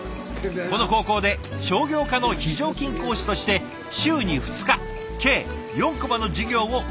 この高校で商業科の非常勤講師として週に２日計４コマの授業を受け持っています。